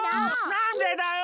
なんでだよ！